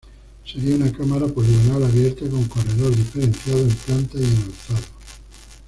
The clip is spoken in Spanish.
Sería una cámara poligonal abierta con corredor diferenciado en planta y en alzado.